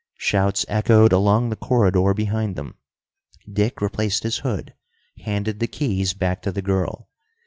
Shouts echoed along the corridor behind them. Dick replaced his hood, handed the keys back to the girl.